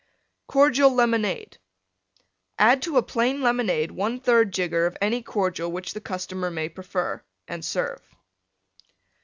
CORDIAL LEMONADE Add to a plain Lemonade 1/3 Jigger of any Cordial which the customer may prefer, and serve.